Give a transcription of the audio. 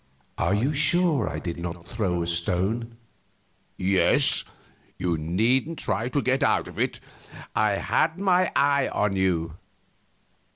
"Are you sure I did not throw a stone?" "Yes. You needn't try to get out of it; I had my eye on you."